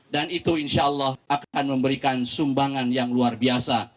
dan itu insya allah akan memberikan sumbangan yang luar biasa